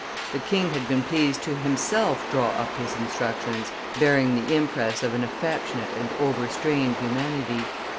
The king had been pleased to himself draw up his instructions, bearing the impress of an affectionate and over strained humanity.